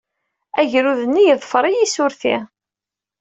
Agrud-nni yeḍfer-iyi s urti.